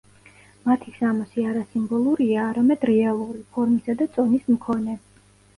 მათი სამოსი არა სიმბოლურია, არამედ რეალური, ფორმისა და წონის მქონე.